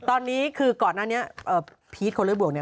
ตอนนี้คือก่อนหน้านี้พีชคนเลยบวกเนี่ย